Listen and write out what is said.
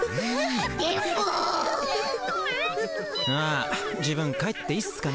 あ自分帰っていいっすかね。